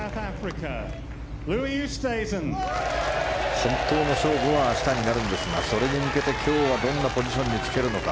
本当の勝負は明日になるんですがそれに向けて今日はどんなポジションにつけるのか。